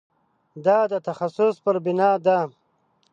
دا د تخصص پر بنا ده.